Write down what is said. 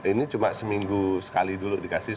ini cuma seminggu sekali dulu dikasih